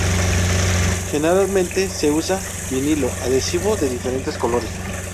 Generalmente se usa 'vinilo' adhesivo de diferentes colores.